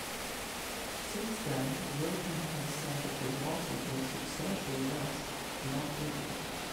Since then Wilpon has said that his losses were "substantially less" than that figure.